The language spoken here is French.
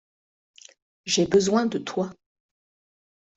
J’ai besoin de toi.